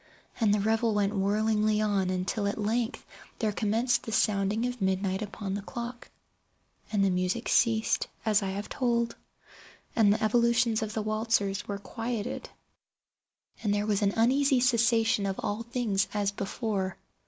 And the revel went whirlingly on, until at length there commenced the sounding of midnight upon the clock. And then the music ceased, as I have told; and the evolutions of the waltzers were quieted; and there was an uneasy cessation of all things as before.